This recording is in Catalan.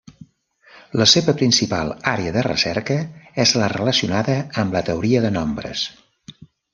La seva principal àrea de recerca és la relacionada amb la teoria de nombres.